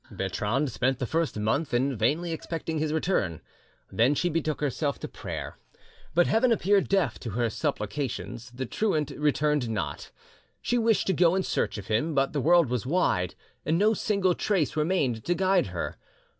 Bertrande spent the first month in vainly expecting his return, then she betook herself to prayer; but Heaven appeared deaf to her supplications, the truant returned not. She wished to go in search of him, but the world is wide, and no single trace remained to guide her.